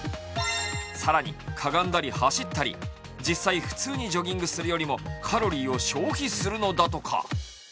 更にかがんだり走ったり実際に普通のジョギングするよりもカロリーを消費するのだとか。